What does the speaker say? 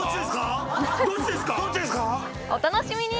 お楽しみに。